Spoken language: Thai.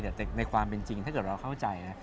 แต่ในความเป็นจริงถ้าเกิดเราเข้าใจนะ